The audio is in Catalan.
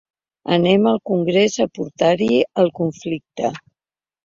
Anem al congrés a portar-hi el conflicte.